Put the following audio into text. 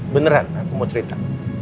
beneran aku mau cerita